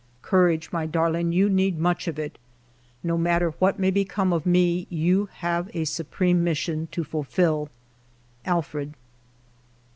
" Courage, my darling ; you need much of it. No matter what may become of me, you have a supreme mission to fulfil. Alfred."